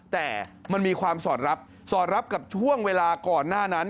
แต่มันมีความสอดรับสอดรับกับช่วงเวลาก่อนหน้านั้น